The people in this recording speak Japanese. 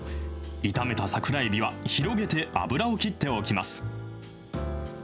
炒めた桜えびは、広げて油を切っておきます。